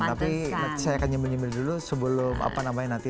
tapi saya akan nyemil nyemil dulu sebelum apa namanya nanti